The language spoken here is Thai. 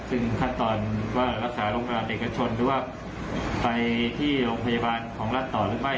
ซึ่งขั้นตอนว่ารักษาโรงพยาบาลเอกชนหรือว่าไปที่โรงพยาบาลของรัฐต่อหรือไม่